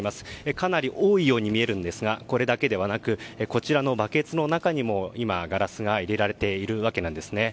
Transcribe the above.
かなり多いように見えますがこれだけではなくこちらのバケツの中にも今、ガラスが入れられているわけなんですね。